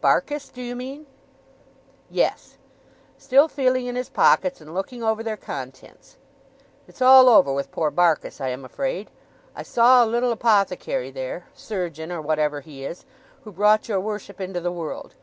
'Barkis, do you mean?' 'Yes!' still feeling in his pockets, and looking over their contents: 'it's all over with poor Barkis, I am afraid. I saw a little apothecary there surgeon, or whatever he is who brought your worship into the world.